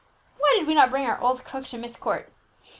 Why did we not bring our old cook to Myst Court?"